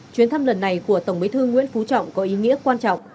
chuyến thăm lần này của tổng bí thư nguyễn phú trọng có ý nghĩa quan trọng